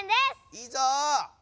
いいぞ！